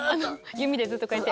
弓でずっとこうやって。